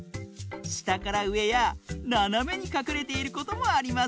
したからうえやななめにかくれていることもありますよ！